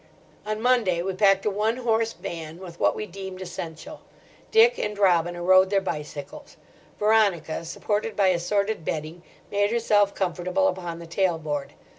On Monday we packed a one horse van with what we deemed essential. Dick and Robina rode their bicycles. Veronica, supported by assorted bedding, made herself comfortable upon the tailboard.